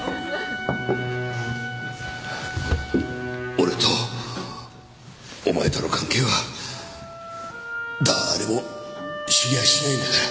俺とお前との関係は誰も知りやしないんだから。